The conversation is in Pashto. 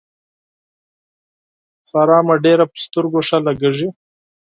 سارا مې ډېره پر سترګو ښه لګېږي.